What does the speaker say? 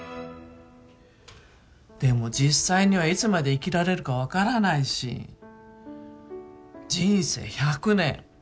でも実際にはいつまで生きられるか分からないし人生１００年。